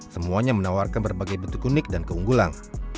semuanya menawarkan berbagai bentuk unik dan keunggulan